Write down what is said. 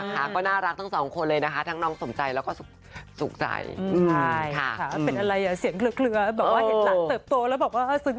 หนูชอบไหมหนูชอบไหม